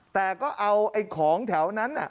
แต่ก็เอาไอ้ของแถวนั้นน่ะ